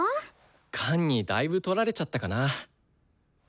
管にだいぶ取られちゃったかな？